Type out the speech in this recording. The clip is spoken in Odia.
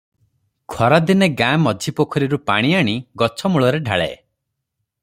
ଖରାଦିନେ ଗାଁ ମଝି ପୋଖରୀରୁ ପାଣି ଆଣି ଗଛ ମୂଳରେ ଢାଳେ।